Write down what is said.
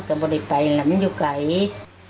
ประเด็นเพื่อนบอกว่าแม่ว่าจากไหนครับ